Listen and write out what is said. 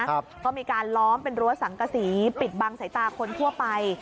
ก็มีการล้อมเป็นรั้วสังกษีปิดบังสายตาคนทั่วไป